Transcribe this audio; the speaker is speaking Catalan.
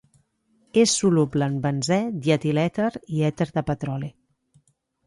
És soluble en benzè, dietilèter i èter de petroli.